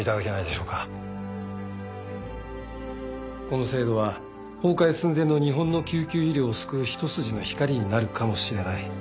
この制度は崩壊寸前の日本の救急医療を救う一筋の光になるかもしれない。